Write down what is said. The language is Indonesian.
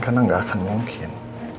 karena gak akan mungkin